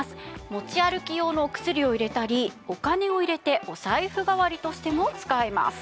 持ち歩き用のお薬を入れたりお金を入れてお財布代わりとしても使えます。